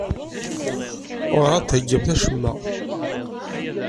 Werɛad d-theyyam acemma.